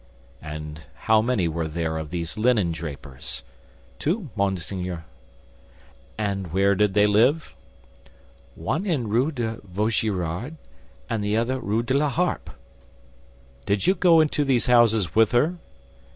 "And how many were there of these linen drapers?" "Two, monseigneur." "And where did they live?" "One in Rue de Vaugirard, the other Rue de la Harpe." "Did you go into these houses with her?"